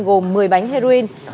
gồm một mươi bánh heroin